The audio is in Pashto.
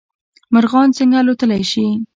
مرغان څنګه الوتلی شي؟